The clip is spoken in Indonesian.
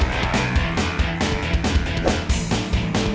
gimana lagi pada ngapain sih